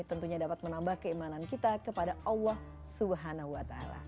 tentunya dapat menambah keimanan kita kepada allah swt